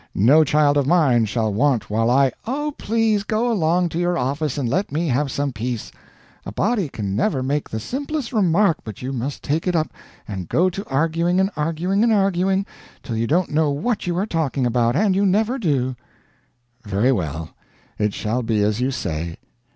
No child of mine shall want while I " "Oh, please go along to your office and let me have some peace. A body can never make the simplest remark but you must take it up and go to arguing and arguing and arguing till you don't know what you are talking about, and you never do." "Very well, it shall be as you say.